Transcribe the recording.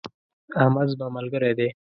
احمد زما ملګری دی.